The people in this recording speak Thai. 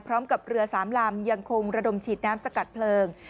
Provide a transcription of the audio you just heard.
พร้อมกับเรือ๓ลำยังคงระดมฉีดน้ำสกัดเพลิง